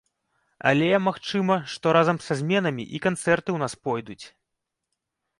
Але, магчыма, што разам са зменамі і канцэрты ў нас пойдуць.